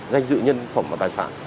danh dự nhân phẩm và tài sản